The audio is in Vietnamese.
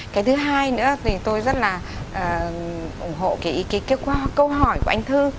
cái thứ hai nữa thì tôi rất là ủng hộ cái câu hỏi của anh thư